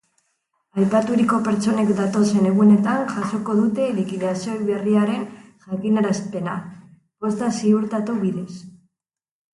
Aipaturiko pertsonek datozen egunetan jasoko dute likidazio berriaren jakinarazpena, posta ziurtatu bidez.